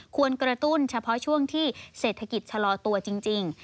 กระตุ้นเฉพาะช่วงที่เศรษฐกิจชะลอตัวจริง